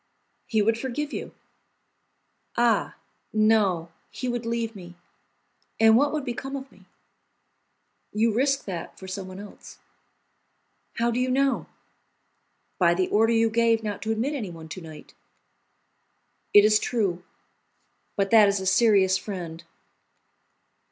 "He would forgive you." "Ah, no, he would leave me, and what would become of me?" "You risk that for someone else." "How do you know?" "By the order you gave not to admit anyone to night." "It is true; but that is a serious friend."